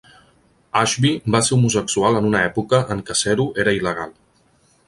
Ashbee va ser homosexual en una època en què ser-ho era il·legal.